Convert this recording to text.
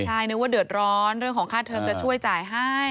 ใช่นึกว่าเดือดร้อนเรื่องของค่าเทอมจะช่วยจ่ายให้